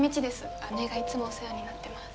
姉がいつもお世話になってます。